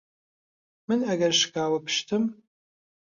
من ئەگەر شکاوە پشتم